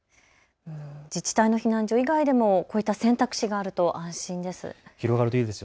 自治体の避難所以外でもこういった選択肢があると安心です。